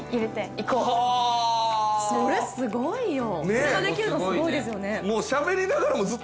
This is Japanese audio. それができるのすごいですよね